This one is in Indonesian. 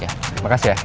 iya terima kasih ya